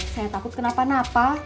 saya takut kenapa napa